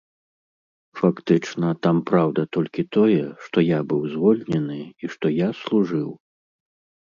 Фактычна там праўда толькі тое, што я быў звольнены і што я служыў.